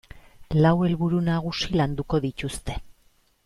Lau helburu nagusi landuko dituzte.